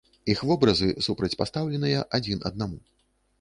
Іх вобразы супрацьпастаўленыя адзін аднаму.